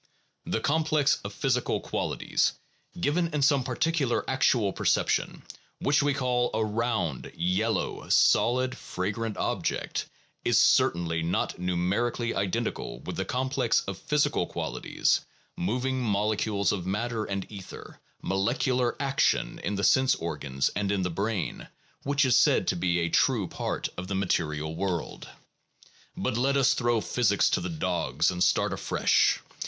The complex of physical qualities, given in some particular actual perception, which we call a round, yellow, solid, fragrant object, is certainly not numerically identical with the complex of physical qualities, — moving molecules of matter and ether, molecular action in the sense organs and in the brain, — which is said to be a true part of the material world. But let us throw physics to the dogs and start afresh.